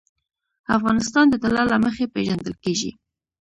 افغانستان د طلا له مخې پېژندل کېږي.